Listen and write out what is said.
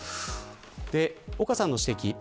岡さんの指摘。